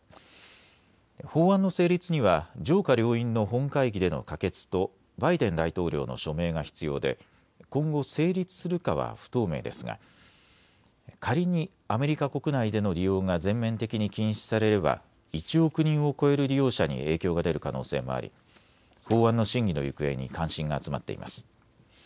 法案の成立には上下両院の本会議での可決とバイデン大統領の署名が必要で今後、成立するかは不透明ですが仮にアメリカ国内での利用が全面的に禁止されれば１億人を超える利用者に影響が出る可能性もあり法案の審議の行方に関心が集まっています。